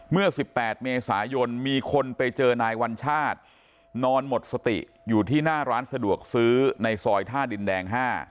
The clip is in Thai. เมื่อ๑๘เมษายนมีคนไปเจอนายวัญชาตินอนหมดสติอยู่ที่หน้าร้านสะดวกซื้อในซอยท่าดินแดง๕